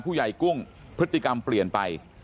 ผู้ใหญ่กุ้งพฤติกรรมเปลี่ยนไป